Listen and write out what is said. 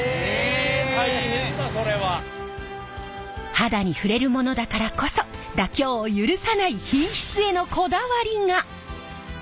肌に触れるものだからこそ妥協を許さない品質へのこだわりが！